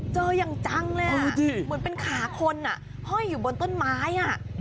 เจออย่างจังเลยอ่ะเหมือนเป็นขาคนอ่ะเพราะอยู่บนต้นไม้อ่ะ